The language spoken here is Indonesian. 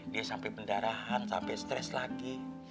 dia sampai pendarahan sampai stres lagi